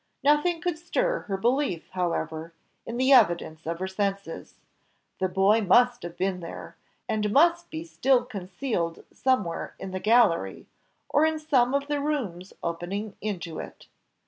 Nothing could stir her belief, however, in the evidence of her senses; the boy must have been there, and must be still concealed somewhere in the gallery, or in some of the rooms opening into it.